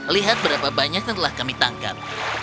lihat berapa banyak yang telah kami tangkap